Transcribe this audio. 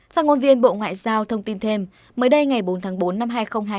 sang ngôn viên bộ ngoại giao thông tin thêm mới đây ngày bốn tháng bốn năm hai nghìn hai mươi